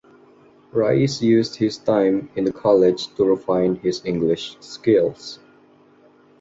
Rais used his time in the college to refine his English skills.